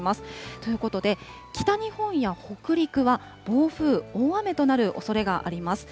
ということで、北日本や北陸は暴風、大雨となるおそれがあります。